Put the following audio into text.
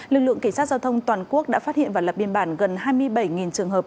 lực lượng cảnh sát giao thông toàn quốc đã phát hiện và lập biên bản gần hai mươi bảy trường hợp